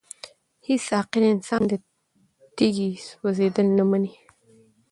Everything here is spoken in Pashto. هيڅ عاقل انسان د تيږي سوزيدل نه مني!!